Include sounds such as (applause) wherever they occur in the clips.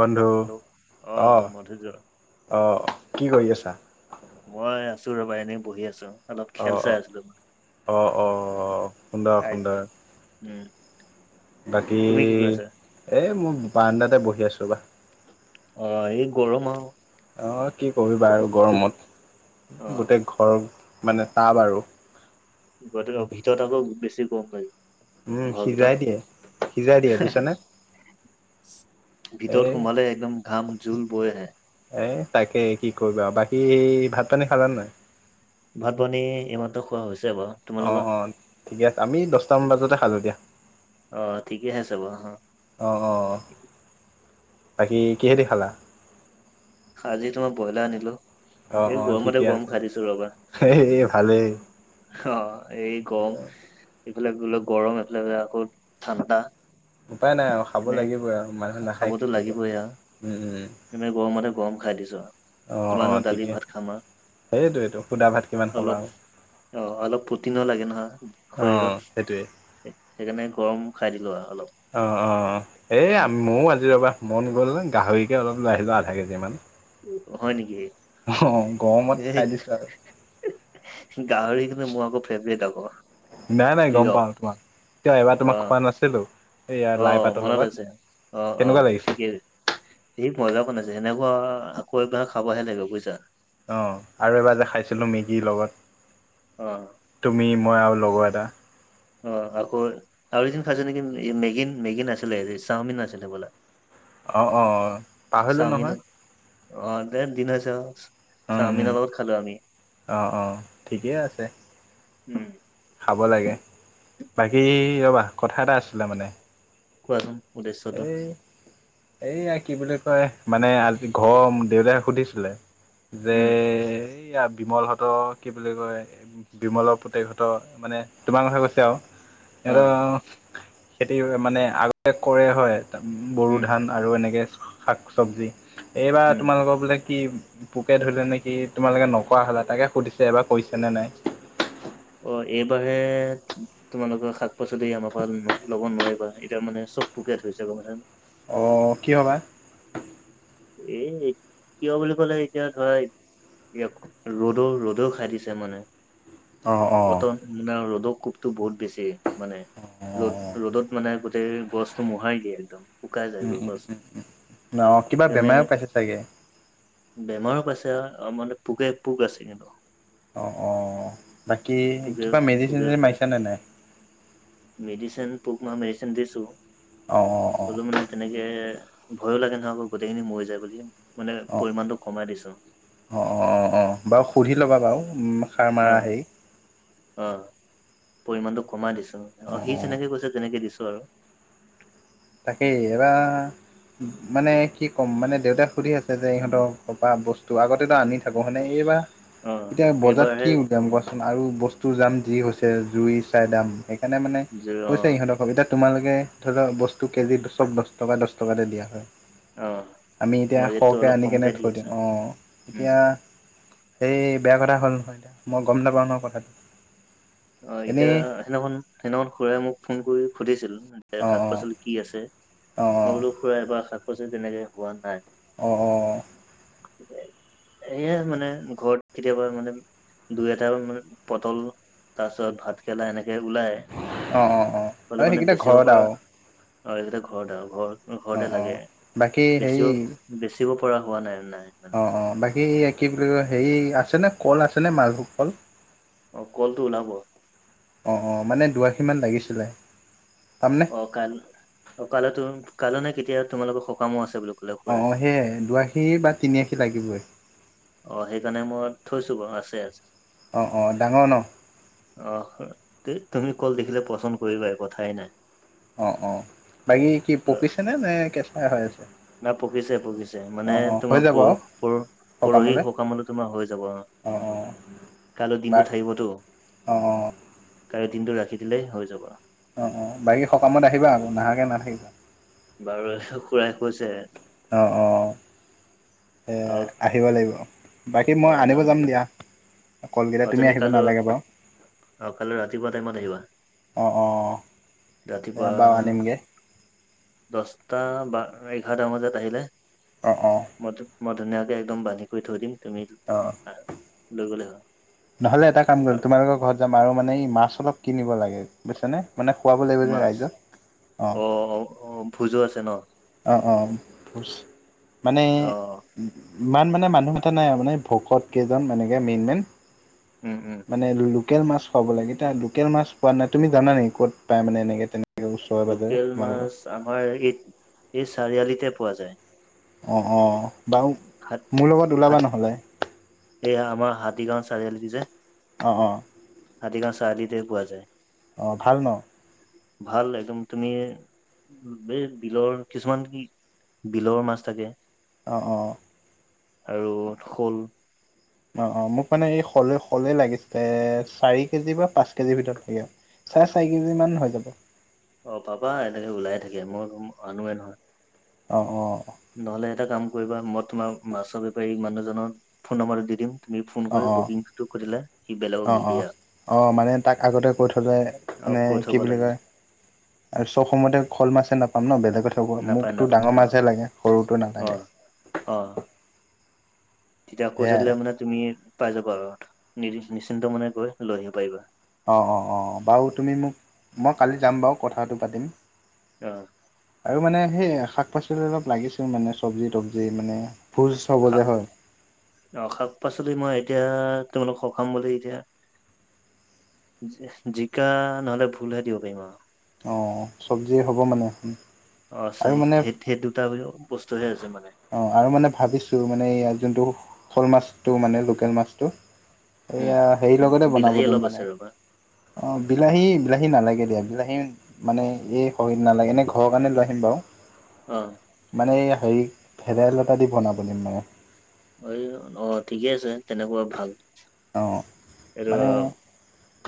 বন্ধু হেল্ল' অ, অ কি কৰি আছা? মই আছো ৰ'বা এনেই বহি আছো, অলপ খেল অহ চাই আছিলো। অ সুন্দৰ আই সুন্দৰ পি এল। উম বাকী তুমি কি কৰি আছা এ মই বাৰাণ্ডাতে বহি আছো ৰ'বা। অ এই গৰম আৰু অ কি কৰিবা আৰু অ গৰমত। গোটেই ঘৰ মানে টাব আৰু। গতিকে ভিতৰত আকৌ বেছি গৰম লাগে। উম ঘৰৰ ভিতৰত সিজাই দিয়ে, সিজাই দিয়ে বুজিছানে। এ ভিতৰত সোমালে একদম ঘাম জোল বৈ আহে। এ তাকে কি কৰিবা আৰু বাকী ভাত-পানী খালানে নাই? ভাত-পনী এইমাত্ৰ খোৱা হৈছে বাৰু। অ তোমালোকৰ অ ঠিকে আছে, আমি দহটামান বজাতে খালো দিয়া। অ ঠিকে আছে বাহা, অ অ বাকী কিহেদি খালা? আজি তোমাৰ ব্ৰইলাৰ আনিলো। অহ এই অহ গৰমতে ঠিকে গৰম আছে খাই দিছো ৰ'বা। এই ভালেই অ এই গৰম। এইফালে বোলে গৰম এইফালে বোলে আকৌ ঠাণ্ডা। উপায় নাই আৰু খাব এনে লাগিবই আৰু মানুহে খা- নাখায় কি কৰিব। উম উম। এনেই গৰমতে গৰম খাই দিছো আৰু। অঁ অঁ কিমানো দালি ঠিকে ভাত খাম আৰু। সেইটোৱেইটো সুদা ভাত কিমান খাবা অলপ, আৰু অ অলপ প্ৰটিনো লাগে নহয় অঁ শৰীৰত। সেইটোৱে সেইকাৰণে গৰম খাই দিলো আৰু অলপ। অ অ এই উম ময়ো আজি ৰ'বা, মন গ'ল গাহৰিকে অলপ লৈ আহিলোঁ আধা কেজিমান। হয় নেকি? অ গৰমত এই খাই দিছো আৰু। গাহৰি কিন্তু মোৰ আকৌ ফেভৰেট আকৌ। নাই নাই গম প্ৰিয় পাওঁ তোমাক। কিয় এবাৰ অ তোমাক খোৱা নাছিলো। অ মনত আছে অ অ কেনেকুৱা লাগিছে ঠিকেই সি মজা বনাইছে। সেনেকুৱা আকৌ এবাৰ খাবহে লাগিব বুজিছা। অ আৰু এবাৰ যে খাইছিলো মেগীৰ লগত। অ। তুমি, মই আৰু লগৰ এটা। অ আকৌ আৰু এদিন খাইছো নেকি, মেগী মেগী নাছিলে চাওমিন আছিলে হবলা। অ অ। চাউমিন অ দে দি (unintelligible) উম, উম, অ', অ', ঠিকেই আছে। উম খাব লাগে, বাকী ৰ'বা কথা এটা আছিলে মানে। কোৱা চোন? এই এইয়া কি বুলি কয় মানে আজি ঘৰৰ দেউতাই সুধিছিলে যে উম এয়া বিমল হতৰ কি বুলি কয় বিমলৰ পুতেক হতৰ, মানে তোমাৰ কথা কৈছে আৰু। অ সিহঁতৰ খেতি মানে আগতে কৰে হয় বড়ো উম, ধান। আৰু এনেকে শাক চবজি, এইবাৰ উম, তোমালোকৰ বোলে কি পোকে ধৰিলে নেকি তোমালোকে নকৰা হ'লা তাকে সুধিছে এইবাৰ কৰিছে নে নাই? অ', এইবাৰ হে তোমালোকে শাক-পাচলি আমাৰ পৰা ল'ব নোৱাৰিবা এতিয়া মানে চব পোকে ধৰিছে, গ'ম পাইছা নে? অ', কিয় বা? এ কিয় বুলি ক'লে এতিয়া ধৰা ৰ'দও ৰ'দেও খাই দিছে মানে। অ', অ'। বতৰ মানে ৰ'দৰ কোপটো বহুত বেছি মানে, অ ৰ'দ ৰ'দত মানে গোটেই গছ মুহাৰি দিয়ে একদম। শুকাই উম, যায়গৈ উম, গছ উম, উম, কিবা সেইকাৰণে বেমাৰেও পাইছে চাগে! বেমাৰো পাইছে মানে পোকে পোক আছে কিন্তু। অ', অ', বাকী পোকে কিবা পোকে মেডিচিন-চেডিচিন ধৰে মাৰিছা নে নাই? মেডিচিন পোক মৰা মেডিচিন দিছো। অ', অ', অ'। হ'লেও মানে তেনেকে ভয়ো লাগে নহয় আকৌ গোটেইখিনি মৰি যায় বুলি, মানে অ', অ', পৰিমানটো ক'মাই দিছো। অ', অ', অ', অ', বাৰু সুধি ল'বা বাৰু সাৰ অ মাৰা হেৰিক। অ', পৰিমাণটো ক'মাই দিছোঁ অ', সি যেনেকৈ কৈছে তেনেকৈ দিছোঁ আৰু। তাকেই এবাৰ মানে কি ক'ম মানে, দেউতাক সুধি আছে যে ইহঁতক (unintelligible) বস্তু আগতেতো আনি থাকো হয়নে, এইবাৰ অ এতিয়া বজাৰত এইবাৰহে কি উলিয়াম কোৱা চোন আৰু বস্তুৰ দাম যি হৈছে জুই চাই দাম সেইকাৰণে মানে অ কৈছে ইহঁতক এতিয়া তোমালোকে ধৰি লোৱা বস্তু কেজিত চব দহ টকা দহ টকাতে দিয়া হয়। অ আমি এতিয়া আমাৰ ৰেটটো সৰহকে অলপ আনি কমকে কেনে দি থৈ দিওঁ আছো অ', উম এতিয়া সেই বেয়া কথা হ'ল নহয় এতিয়া, মই গ'ম নাপাওঁ নহয় কথাটো। অ', এতিয়া এনেই সেইদিনাখন-সেইদিনাখন খুৰাই মোক ফোন কৰি সুধিছিল, যে অঁ অঁ শাক-পাচলি কি আছে। অঁ মই বোলো খুৰা এইবাৰ শাক-পাচলি তেনেকে হোৱা নাই। অ', অ', অ'। এইয়া মানে ঘৰত কেতিয়াবা মানে দুই এটা মানে পটল তাৰপাছত ভাত কেৰেলা এনেকে ওলাই। অ', অ', অ', হ'লেও আৰু মানে সেইকেইটা বেচিব ঘৰত পৰা আৰু। অ', এইকেইটা ঘৰত আৰু ঘৰত অঁ ঘৰতে অঁ লাগে, বাকী হেৰি বেছিও বেচিব পৰা হোৱা নাই নাই। মানে অ', অ', বাকী কি বুলি কয় হেৰি আছেনে ক'ল আছেনে মালভোগ ক'ল? অ', ক'লটো ওলাব। অ', অ', মানে দুআশীমান লাগিছিলে, তাৰ অ', কাল অ', কাইলৈ কাইলৈ নে কেতিয়া তোমালোকৰ সকামো আছে বোলে। অ', অ', সেয়াই দুআশী বা তিনিআশী লাগিবই। অ' সেইকাৰণে মই থৈছোঁ বাৰু আছে আছে। অ' অ' ডাঙৰ ন? অ' এই তুমি কল দেখিলে পচন্দ কৰিবাই, এই কথাই নাই। অ' অ' বাকী কি অ পকিছেনে নে কেঁচা হৈ আছে? না পকিছে পকিছে মানে অঁ অঁ হৈ তোমাৰ যাব প আৰু প পৰহি সকামলৈ তোমাৰ হৈ যাব আহ। অঁ অঁ কাইলৈ বা দিনটো থাকিবতো। অঁ অঁ কাইলৈ দিনটো ৰাখি দিলেই হৈ যাব। অ' অ' বাকী সকামত আহিবা আকৌ নাহাকৈ নাথাকিবা। বাৰু খুৰাই কৈছে। অ' অ' এই আৰু আহিব লাগিব। বাকী মই আনিব যাম দিয়া। কলকেইটা অ' তুমি আহিব নালাগে বাৰু কাললৈ কাইলৈ ৰাতিপুৱা টাইমত আহিবা। অ অ এয়া ৰাতিপুৱা বাৰু আনিমগৈ দহটা বা এঘাৰটা মান বজাত আহিলে। অ' অ' মই তোক মই ধুনীয়াকৈ একদম বান্ধি কৰি থৈ দিম। তুমি অ লৈ গ'লে হ'ল নহ'লে এটা কাম কৰিম। তোমালোকৰ ঘৰত যাম আৰু মানে এই মাছ অলপ কিনিব লাগে বুজিছানে। মানে খোৱাব লাগিব যে মাছ ৰাইজক অ' অ' অ' ভোজোঁ আছে ন। অ' অ' ভোজ মানে অ ইমান মানে মানুহ মাতা নাই মানে ভকঁত কেইজন এনেকে মেইন মেইন। উম, উম। মানে লোকেল মাছ খোৱাৰ লাগে। এতিয়া লোকেল মাছ পোৱা নাই। তুমি জানা নেকি ক'ত পায় মানে এনেকে তেনে লোকেল মাছ আমাৰ এই এই চাৰিআলিতে পোৱা যায়। অ' অ' বাৰু হাত মোৰ লগত ওলাবা হাত নহ'লে এইয়া আমাৰ হাতীগাঁও চাৰিআলিটো যে অ' অ' হাতীগাঁও চাৰিআলিতে পোৱা যায়। অ' ভাল ন? ভাল একদম তুমি উম, এই বিলৰ কিছুমান কি বিলৰ মাছ থাকে। অ' অ' আৰু শ'ল অ' অ' মোক মানে এই শল, শলেই লাগিছিলে চাৰি কেজি বা পাঁচ কেজিৰ ভিতৰত লাগে আৰু (unintelligible) চাৰে চাৰি কেজি মান হৈ যাব। অ' পাবা এনেকে ওলাই থাকে। মই আনোৱে নহয়। অ' অ' নহ'লে এটা কাম কৰিবা। মই তোমাৰ মাছৰ বেপাৰী মানুহজনৰ ফোন নম্বৰটো দি দিম। তুমি ফোন অঁ কৰি অঁ বুকিংটো কৰি থৈ দিলে, সি বেলেগক নিদিয়ে আৰু অ' মানে তাক আগতে কৈ থ'লে অ মানে কৈ কি থব বুলি লাগে কয়। আৰু চ'ব সময়তে শল মাছে নাপাম ন বেলেগতহে নাপায় মোকতো নাপায় ডাঙৰ অ মাছহে লাগে সৰুটো অ নালাগে। অ' তেতিয়া কৈ থৈ দিলে সেয়াই মানে তুমি পাই যাবা আৰু নি নিশ্চিন্ত মনে গৈ লৈ আহিব পাৰিবা। অ' অ' অ' বাৰু তুমি মোক মই কালি যাম বাৰু কথাটো পাতিম। অ, আৰু মানে সেই শাক পাচলি অলপ লাগিছিল মানে চব্জি তবজি মানে ভোজ হ'ব শাক যে হয়। অ শাক পাচলি মই এতিয়া তোমলোকক সকাম বুলি এতিয়া জিকা নহ'লে ভুলহে দিব পাৰিম আৰু। অঁ চব্জিয়ে হ'ব মানে এখন, অ চাৰি সেই সেই দুটা বস্তুহে আছে মানে। অঁ আৰু মানে ভাবিছোঁ মানে যোনটো শ'ল মাছটো মানে লোকেল মাছটো। উম এইয়া হেৰিৰ লগতে বনাব বিলাহী দিম অলপ আছে মানে ৰবা অ বিলাহী বিলাহী নালাগে দিয়া বিলাহী। মানে এই শহীৰ নালাগে এনেই ঘৰৰ কাৰণে লৈ আহিম বাৰু। অঁ, মানে হেৰি ভেদাইলতা দি বনাব দিম মানে। অ অ ঠিকে আছে তেনেকুৱা ভাল। অ এইটো মানে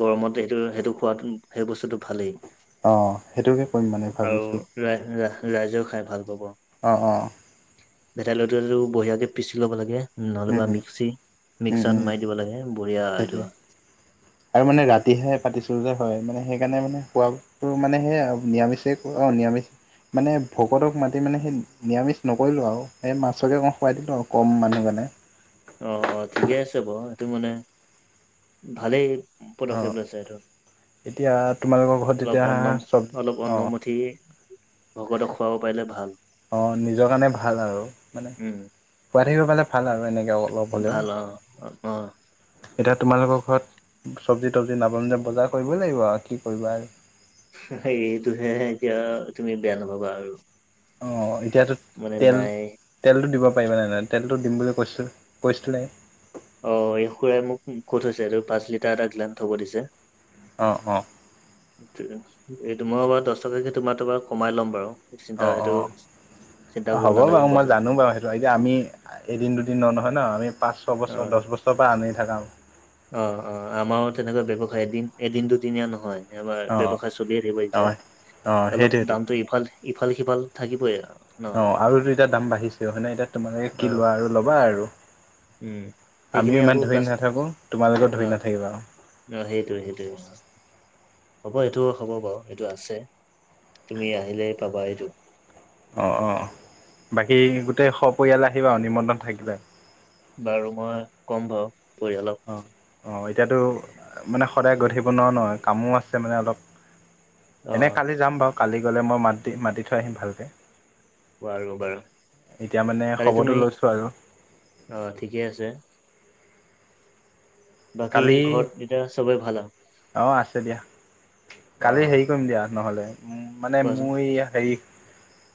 গৰমত সেইটো সেইটো খোৱাত সেই বস্তুটো ভালেই। অ সেইটোকে কৰিম মানে আৰু ভাবিছো ৰাই ৰাইজও খাই ভাল পাব। অ অ ভেটাইলতাটো বঢ়িয়াকে পিচি ল'ব লাগে। উম নহ'লেবা মিক্সি উম উম উম মিক্সাৰত মাৰি দিব লাগে বঢ়িয়া হয়। সেইটোৱে আৰু মানে ৰাতিহে পাতিছো যে হয় মানে সেইকাৰণে মানে খোৱা তোৰ মানে সেই নিৰামিষেই অ নিৰামিষ মানে ভকতক মাতি মানে সেই নিৰামিষ নকৰিলোঁ আৰু সেই মাছকে অকন খুৱাই দিলোঁ আৰু কম মানুহ কাৰণে। অ অ ঠিকে আছে বাৰু সেইটো মানে ভালেই পদক্ষেপ অঁ লৈছা সেইটো। এতিয়া তোমালোকৰ ঘৰত অলপ তেতিয়া অন্ন চব অলপ অন্ন অঁ মুঠি ভকতক খুৱাব পাৰিলে ভাল। অঁ নিজৰ কাৰণে ভাল আৰু মানে উম খুৱাই থাকিব পালে ভাল আৰু এনেকৈ অলপ। হ'লেও ভাল অ অ অ, এতিয়া তোমালোকৰ ঘৰত চব্জি তবজি নাপাম যে বজাৰ কৰিবই লাগিব আৰু কি কৰিবা আৰু। সেইটোহে এতিয়া তুমি বেয়া নাপাবা আৰু। অঁ এতিয়াতো মানে তেল, নাই তেলটো দিব পাৰিবা নে নাই তেলটো দিম বুলি কৈছিলো কৈছিলাই। অ এই খুৰাই মোক কৈ থৈছে এইটো পাঁচ লিটাৰ এটা গ্লান থব দিছে। অঁ অঁ, এই মই বাৰু দহ টকাকে তোমাৰ তাৰ পৰা কমাই ল'ম বাৰু। চিন্ত অঁ সেইটো অঁ চিন্তা কৰিব নালাগে। ত' এতিয়া আমি এদিন দুদিন ন নহয় ন আমি পাঁচ অ ছয়বছৰ দহ বছৰৰ পৰা আনি থাকা। অ অ আমাৰো তেনেকুৱা ব্যৱসায় এদিন এদিন দুদিনীয়া নহয়। এইবাৰ অঁ ব্যৱসায় চলিয়ে থাকিব অঁ এতিয়া। অঁ অলপ সেইটোৱেইটো দামটো ইফাল ইফাল সিফাল থাকিবই আৰু ন। সেইটোৱে হয়নে এতিয়া তোমালোকে কি অ লোৱা আৰু ল'বা আৰু উম আমিও সেইখিনি ইমান আকৌ ধৰি কাচ নাথাকোঁ। তোমালোকেও অ ধৰি নাথাকিবা আৰু। অ সেইটোয়ে সেইটোয়ে। হ'ব এইটো হ'ব বাৰু এইটো আছে তুমি আহিলেই পাবা এইটো। অঁ অঁ বাকী গোটেই সপৰিয়ালে আহিবা আৰু নিমন্ত্ৰণ থাকিলে। বাৰু মই ক'ম বাৰু পৰিয়ালক। অ অ এতিয়াতো মানে সদায় গৈ থাকিব নোৱাৰো নহয় কামো আছে মানে অলপ। অ এনেই কালি যাম বাৰু কালি গ'লে মই মাত মাতি থৈ আহিম ভালকৈ। বাৰু বাৰু এতিয়া মানে কালি খবৰটো তুমি লৈছো আৰু। অ' ঠিকে আছে। বাকী কালি ঘৰত এতিয়া চবৰে ভাল আও। অঁ আছে দিয়া, অ কালি হেৰি কৰিম দিয়া নহ'লে। মানে কোৱাচোন মোৰ এইয়া হেৰি,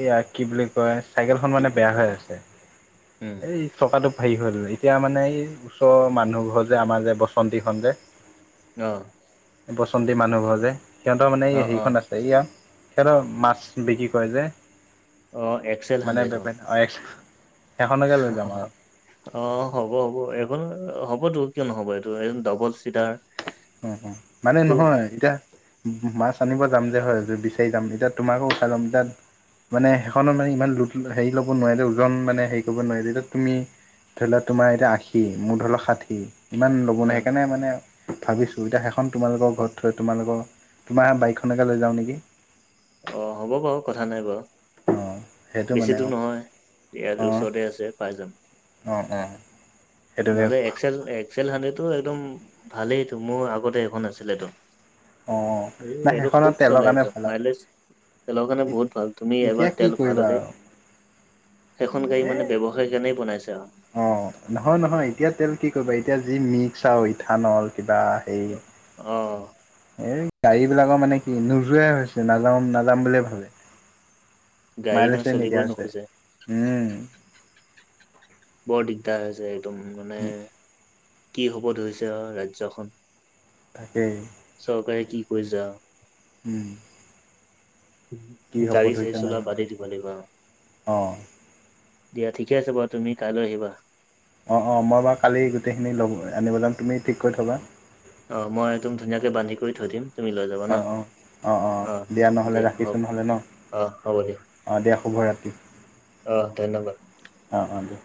এইয়া কি বুলি কয়, চাইকেলখন মানে। বেয়া হৈ আছে, উম এই চকাটো হেৰি হৈ গ'ল, এতিয়া মানে এই ওচৰৰ মানুহ ঘৰ যে আমাৰ যে বসন্তীখন যে। অঁ। বচন্তি মানুহ ঘৰ যে, সিহঁতৰ মানে অ এই অ হেৰিখন আছ। এইয়া সিহঁতৰ মাছ বিক্ৰী কৰে যে। অ' এক্সেল হাণ্ড্ৰেড অ'। অ' এক্স। (unintelligible) অ' হ'ব, হ'ব, এখন হ'বতো কিয় নহ'ব, এইটো ডবল চিটাৰ। অ' অ' মানে টো নহয়, এতিয়া। মাছ আনিব যাম যে হয়, বিচাৰি যাম এতিয়া তোমাকো উঠাই ল'ম এতিয়া। মানে সেইখনত মানে ইমান লোড হেৰি ল'ব নোৱাৰে যে, ওজন মানে হেৰি কৰিব নোৱাৰে, যেতিয়া তুমি ধৰি লোৱা তোমাৰ এতিয়া আশী, মোৰ ধৰি লোৱা ষাঠি, ইমান ল'ব অ ন সেইকাৰণে মানে। ভাবিছোঁ এতিয়া সেইখন তোমালোকৰ ঘৰত থৈ, তোমালোকৰ তোমাৰ বাইকখনকে লৈ যাওঁ নেকি। অঁ হ'ব বাৰু কথা নাই বাৰু, অঁ সেইটো বেছি মানে দূৰ অঁ নহয়। ইয়াত অঁ ওচৰতে আছে পাঁচজন। অঁ, অঁ সেইটোকে। এক্সেল, এক্সেল হাড্ৰেডটো একদম ভালেইটো মোৰ আগতে এখন আছিলেটো। অঁ নাই এইটো সেইখনত খুব তেলৰ চলে, কাৰণে এইটো ভাল আৰু মাইলেজ। তেলৰ কাৰণে বহুত ভাল, তুমি এতিয়া এবাৰ কি তেল ভৰাই কৰিবা ল'লেই। আৰু সেইখন গাড়ী মানে ব্যৱসায়ী কাৰণে বনাইছে আও। অ' নহয়, নহয়, এতিয়া তেল কি কৰিবা, এতিয়া যি মিক্স আৰু ইঠানল কিবা। হেৰি অ'। এই গাড়ী বিলাকৰ মানে কি নোযোৱাই হৈছে, নাযাওঁ নাযাম বুলিয়ে ভাবে। গাড়ী মানে মাইলেছটোৱে নিদিয়া চলিবই হৈছে, নোখোজে উম'। বৰ দিগদাৰ হৈছে, একদম মানে কি হ'ব ধৰিছে আৰু ৰাজ্যখন। থাকেই। চৰকাৰে কি কৰি যা। হুম। গাড়ি চাৰি ধৰিছে চলোৱা নাজানো বাদেই দিব লাগিব আও। অ দিয়া ঠিকে আছে বাৰু, তুমি কাইলৈ আহিবা। অঁ অঁ মই বাৰু কালি গোটেইখিনি ল'ব আনিব যাম, তুমি ঠিক কৰি থ'বা। অ' মই একদম ধুনীয়াকে বান্ধি কৰি থৈ দিম, তুমি লৈ যাবা অ ন'। অ অ' নহ'লে দিয়া ৰাখিছোঁ হক, নহ'লে ন অহ হ'ব দিয়া। অ দিয়া শুভৰাত্ৰি অ' ধন্যবাদ। অ, অ, দে।